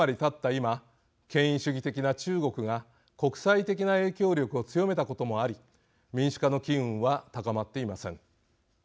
今権威主義的な中国が国際的な影響力を強めたこともあり民主化の機運は高まっていません。